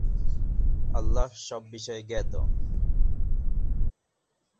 আল্লাহ সব বিষয়ে জ্ঞাত।